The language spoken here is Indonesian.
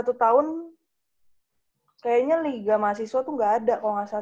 tuh satu tahun kayaknya liga mahasiswa tuh enggak ada kalau enggak salah